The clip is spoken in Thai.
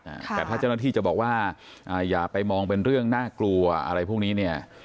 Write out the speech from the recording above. อ่าแต่ถ้าเจ้าหน้าที่จะบอกว่าอ่าอย่าไปมองเป็นเรื่องน่ากลัวอะไรพวกนี้เนี่ย